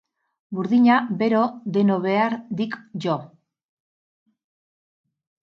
Burdina bero deno behar dik jo!